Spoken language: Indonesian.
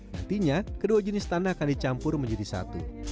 nantinya kedua jenis tanah akan dicampur menjadi satu